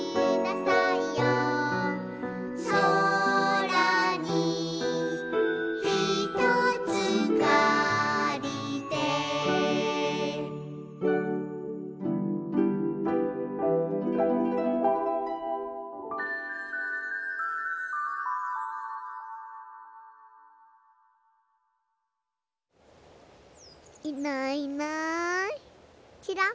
「そらにひとつかりて」いないいないちらっ。